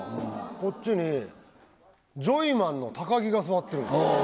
こっちにジョイマンの高木が座ってるんですよ。